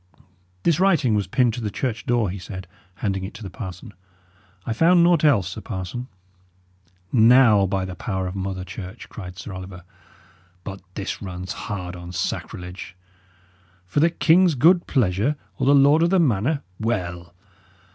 "This writing was pinned to the church door," he said, handing it to the parson. "I found naught else, sir parson." "Now, by the power of Mother Church," cried Sir Oliver, "but this runs hard on sacrilege! For the king's good pleasure, or the lord of the manor well!